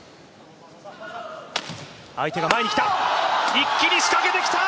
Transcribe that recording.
一気に仕掛けてきた